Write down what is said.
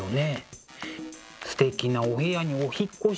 すてきなお部屋にお引っ越し。